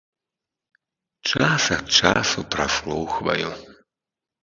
Час ад часу праслухваю.